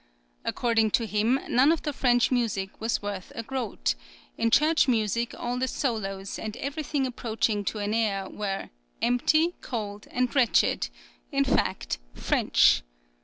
According to him none of the French music was worth a groat; in church music all the solos and everything approaching to an air, were "empty, cold, and wretched, in fact French."